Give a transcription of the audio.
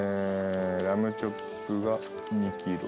ラムチョップが２キロ。